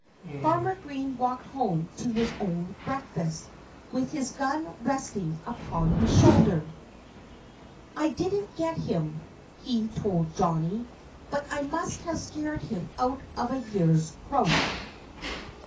Farmer Green walked home to his own breakfast with his gun resting upon his shoulder. "I didn't get him," he told Johnnie. "But I must have scared him out of a year's growth."